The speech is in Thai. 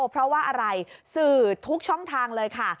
เพราะว่าอะไรสื่อทุกช่องทางเลยค่ะ